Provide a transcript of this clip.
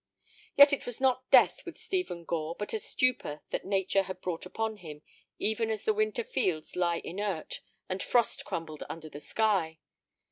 Yet it was not death with Stephen Gore, but a stupor that nature had brought upon him even as the winter fields lie inert and frost crumbled under the sky.